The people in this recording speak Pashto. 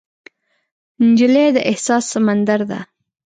نجلۍ د احساس سمندر ده.